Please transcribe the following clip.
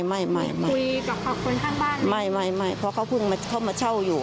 คุยกับคนข้างบ้านไม่เพราะเขาเพิ่งเข้ามาเช่าอยู่